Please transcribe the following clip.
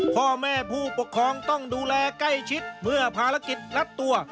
พ่อแม่ผู้ปกครองต้องดูแลใกล้ชิดเมื่อภารกิจรัดตัว